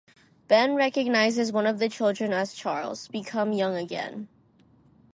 Ben recognizes one of the children as Charles, become young again.